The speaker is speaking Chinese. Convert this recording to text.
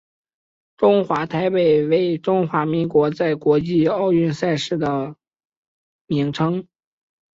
中华台北为中华民国在国际奥运赛事的名称。